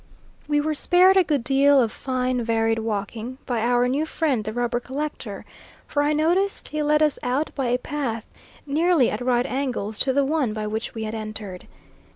We were spared a good deal of fine varied walking by our new friend the rubber collector; for I noticed he led us out by a path nearly at right angles to the one by which we had entered.